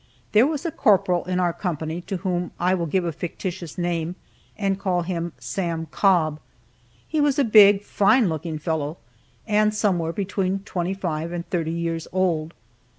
There was a corporal in our company to whom I will give a fictitious name, and call him Sam Cobb. He was a big, fine looking fellow, and somewhere between twenty five and thirty years old.